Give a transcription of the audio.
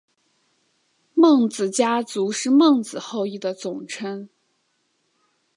孟子家族是孟子后裔的总称。